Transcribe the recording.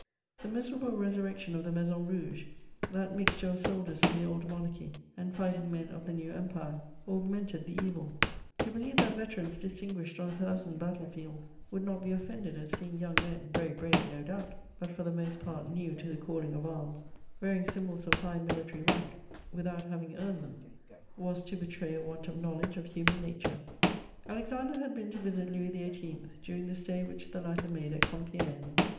The miserable resurrection of the Maison Rouge, that mixture of soldiers of the old Monarchy and fighting men of the new Empire, augmented the evil: to believe that veterans distinguished on a thousand battle fields would not be offended at seeing young men, very brave no doubt, but for the most part new to the calling of arms, wearing symbols of high military rank without having earned them, was to betray a want of knowledge of human nature. [Sidenote: Declaration of Saint Ouen.] Alexander had been to visit Louis XVIII. during the stay which the latter made at Compiègne.